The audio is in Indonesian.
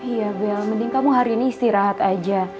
iya bel mending kamu hari ini istirahat aja